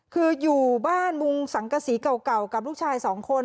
คืออยู่บ้านมุงสังกษีเก่ากับลูกชายสองคน